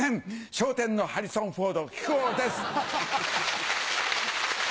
『笑点』のハリソン・フォード木久扇です！